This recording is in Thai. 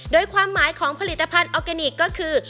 โดยความหมายของผลิตภัณฑ์ออร์แกนิคก็คือ